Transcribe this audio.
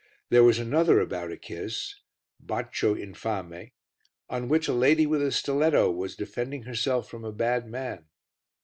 There was another about a kiss, Bacio Infame, on which a lady with a stiletto was defending herself from a bad man.